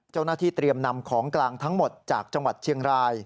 เจ้าหน้าที่เตรียมนำของกลางทั้งหมดจากจังหวัดเชียงราย